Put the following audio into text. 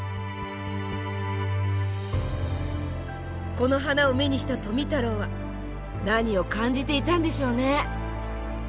この花を目にした富太郎は何を感じていたんでしょうね？